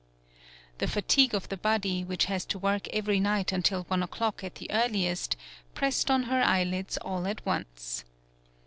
The fatigue of the body, which has to work every night until one o'clock at the earliest, pressed on her eyelids all at once.